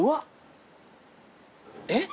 えっ？